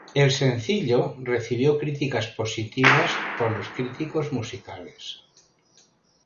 El sencillo recibió críticas positivas por los críticos musicales.